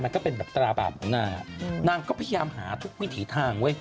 มันก็เป็นแบบตราบาปนั่งก็พยายามหาทุกวิถีทาง